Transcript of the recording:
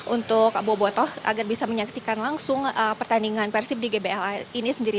untuk bobotoh agar bisa menyaksikan langsung pertandingan persib di gbla ini sendiri